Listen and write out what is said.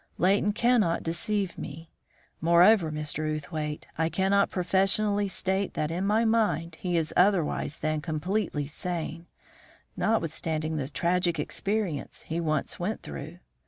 Leighton cannot deceive me. Moreover, Mr. Outhwaite, I cannot professionally state that in my opinion he is otherwise than completely sane, notwithstanding the tragic experience he once went through.